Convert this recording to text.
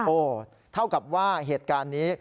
เท่ากับว่าเหตุการณ์นี้